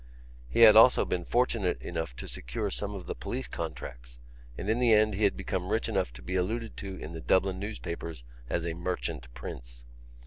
He had also been fortunate enough to secure some of the police contracts and in the end he had become rich enough to be alluded to in the Dublin newspapers as a merchant prince.